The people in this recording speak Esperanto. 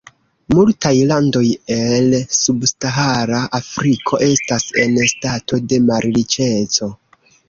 Multaj landoj el subsahara Afriko estas en stato de malriĉeco.